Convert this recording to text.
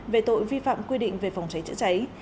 về tội vi phạm quy định về phòng cháy chữa cháy